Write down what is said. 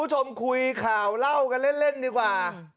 อาโจ่กลุ่มคุยข่าวเล่ากันเล่นดีกว่า